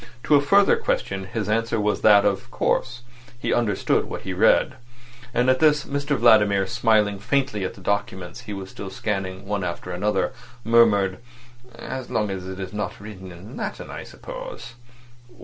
To a further question his answer was that, of course, he understood what he read. At this Mr Vladimir, smiling faintly at the documents he was still scanning one after another, murmured "As long as it is not written in Latin, I suppose."